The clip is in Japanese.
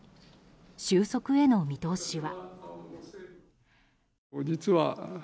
収束への見通しは。